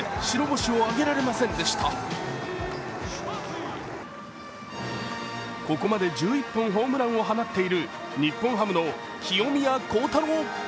こちらはここまで１１本ホームランを放っている日本ハムの清宮幸太郎。